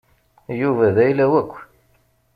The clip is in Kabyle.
Yuba d ayla-w akk.